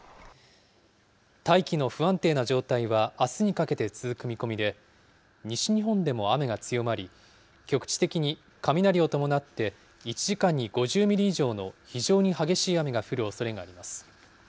大気の不安定な状態はあすにかけて続く見込みで、西日本でも雨が強まり、局地的に雷を伴って１時間に５０ミリ以上の非常に激しい雨が降るおそれがあります。